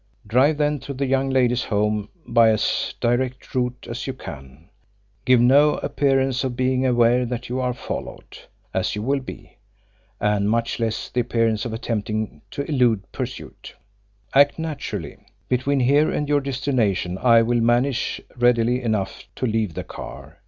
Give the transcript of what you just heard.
Drive then to the young lady's home by as direct a route as you can give no appearance of being aware that you are followed, as you will be, and much less the appearance of attempting to elude pursuit. Act naturally. Between here and your destination I will manage readily enough to leave the car.